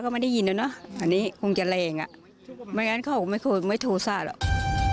ไม่งั้นเข้าไปไม่โทรศาสตร์หรอก